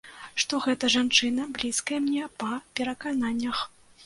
Што гэта жанчына, блізкая мне па перакананнях.